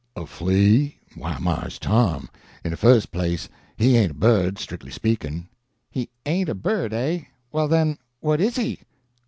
"A flea? Why, Mars Tom, in de fust place he ain't a bird, strickly speakin'—" "He ain't a bird, eh? Well, then, what is he?"